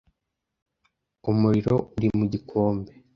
'Tis umuriro uri mu gikombe